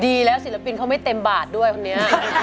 ดีแล้วศิลปินเขาไม่เต็มบาทด้วยคนนี้